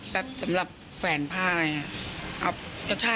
แป๊ปสำหรับแฟนผ้ากันเลยอ่ะ